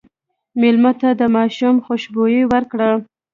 مېلمه ته د ماشوم خوشبويي ورکړه.